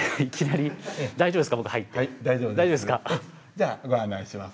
じゃあご案内します。